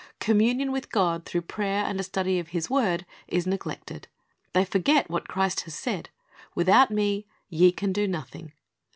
Communion with God .through prayer and a study of His word is neglected. They forget that Christ has said, "Without Me ye can do nothing."